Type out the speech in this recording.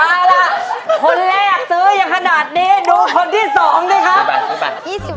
อ้าวคนแรกซื้อยังขนาดนี้ดูคนที่สองดีครับ